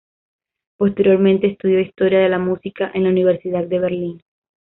Posteriormente estudió historia de la música en la Universidad de Berlín.